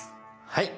はい。